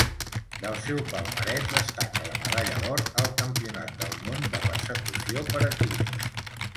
Del seu palmarès destaca la medalla d'or al Campionat del món de Persecució per equips.